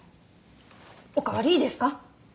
お代わりいいですか？